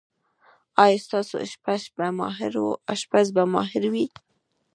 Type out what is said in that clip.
ایا ستاسو اشپز به ماهر وي؟